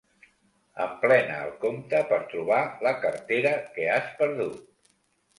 Emplena el compte per trobar la cartera que has perdut.